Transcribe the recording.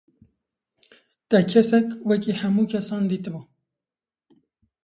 Te kesek wekî hemû kesan dîtibû.